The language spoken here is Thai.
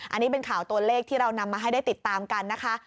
อันนี้เป็นข่าวตัวเลขที่เรานำมาให้ได้ติดตามกันนะคะ